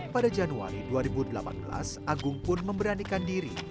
pada januari dua ribu delapan belas agung pun memberanikan diri